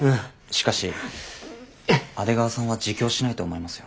しかし阿出川さんは自供しないと思いますよ。